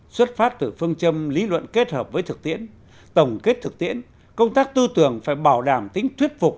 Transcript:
xuất phát từ phương châm lý luận kết hợp với thực tiễn tổng kết thực tiễn công tác tư tưởng phải bảo đảm tính thuyết phục